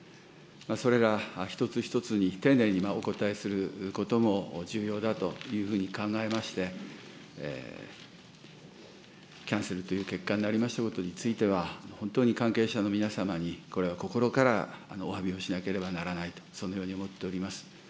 それら一つ一つに丁寧にお答えすることも重要だというふうに考えまして、キャンセルという結果になりましたことについては、本当に関係者の皆様にこれは心からおわびをしなければならないと、そのように思っております。